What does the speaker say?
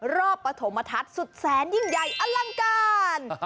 ปฐมทัศน์สุดแสนยิ่งใหญ่อลังการ